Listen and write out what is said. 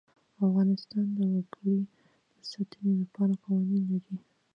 افغانستان د وګړي د ساتنې لپاره قوانین لري.